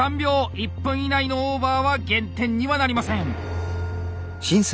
１分以内のオーバーは減点にはなりません。